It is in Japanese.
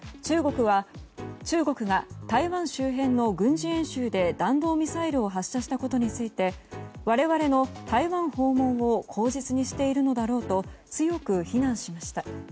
中国が台湾周辺の軍事演習で弾道ミサイルを発射したことについて我々の台湾訪問を実にしているのだろうと強く非難しました。